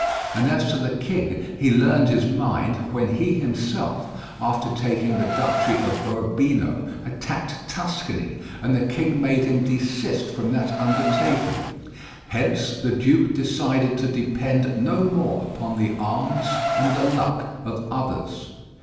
And as to the king, he learned his mind when he himself, after taking the Duchy of Urbino, attacked Tuscany, and the king made him desist from that undertaking; hence the duke decided to depend no more upon the arms and the luck of others.